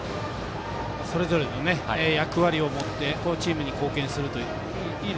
それぞれの役割を持ってチームに貢献するという。